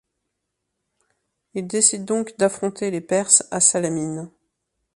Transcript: Il décide donc d'affronter les Perses à Salamine.